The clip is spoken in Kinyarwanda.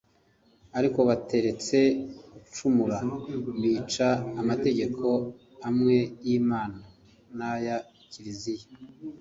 ariko bataretse gucumura bica amategeko amwe y’imana n’aya kiliziya.